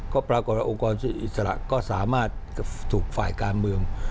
ก็ปรากฏว่าองค์กรอิสระก็สามารถถูกฝ่ายการเมือง